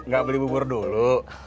gak beli bubur dulu